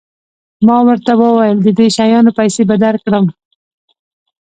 ما ورته وویل د دې شیانو پیسې به درکړم.